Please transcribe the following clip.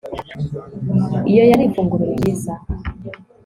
iyo yari ifunguro ryiza